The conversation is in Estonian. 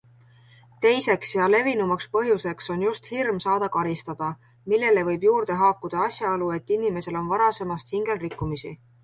Teiseks ja levinumaks põhjuseks on just hirm saada karistada, millele võib juurde haakuda asjaolu, et inimesel on varasemast hingel rikkumisi.